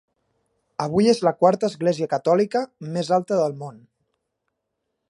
Avui és la quarta església catòlica més alta del món.